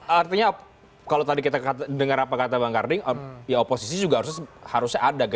artinya kalau tadi kita dengar apa kata bang karding ya oposisi juga harusnya ada